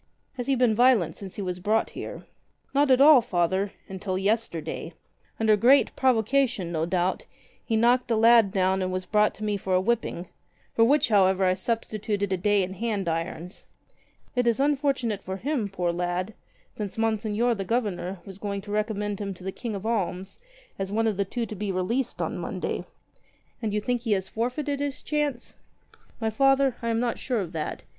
"Has he been violent since he was brought here?" "Not at all. Father — until yesterday. Under great pro vocation, no doubt, he knocked a lad down and was brought to me for a whipping — for which however I substituted a day in hand irons. It is unfortunate for him, poor lad, since Monseigneur the Governor was going to recommend him to the King of Alms as one of the two to be released on Monday." "And you think he has forfeited his chance?" "My Father, I am not sure of that.